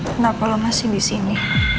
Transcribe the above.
kenapa lo masih disini